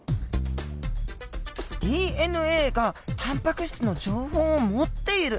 ＤＮＡがタンパク質の情報を持っている。